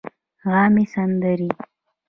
عامې سندرې